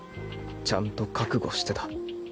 ちゃんと覚悟してた。